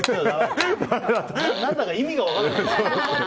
何だか意味が分からない。